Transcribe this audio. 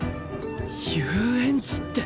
遊園地って